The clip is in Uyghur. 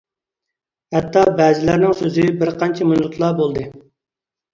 ھەتتا بەزىلەرنىڭ سۆزى بىرقانچە مىنۇتلا بولدى.